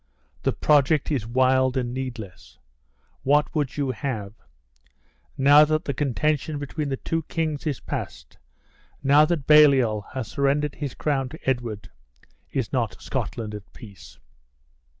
The project is wild and needless. What would you have? Now that the contention between the two kings is past; now that Baliol has surrendered his crown to Edward, is not Scotland at peace?"